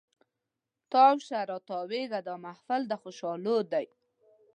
تاو شه تاویږه دا محفل د خوشحالو دی